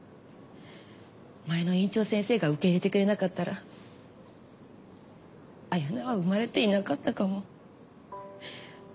前の院長先生が受け入れてくれなかったら彩名は生まれていなかったかも。